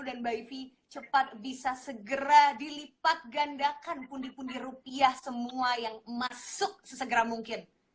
dan mba ivi cepat bisa segera dilipat gandakan pundi pundi rupiah semua yang masuk sesegera mungkin